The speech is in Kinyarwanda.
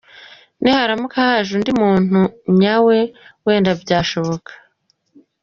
Niharamuka haje undi muntu nyawe, wenda byashoboka.